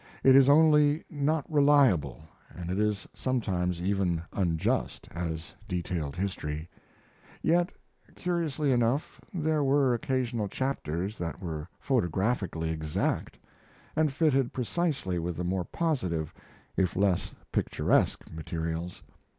It is only not reliable and it is sometimes even unjust as detailed history. Yet, curiously enough, there were occasional chapters that were photographically exact, and fitted precisely with the more positive, if less picturesque, materials.